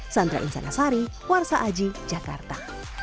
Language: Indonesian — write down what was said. sandra insanasari warsa aji jakarta